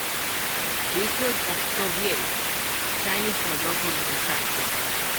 These were of Soviet, Chinese or local manufacture.